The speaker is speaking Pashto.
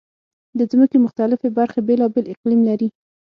د ځمکې مختلفې برخې بېلابېل اقلیم لري.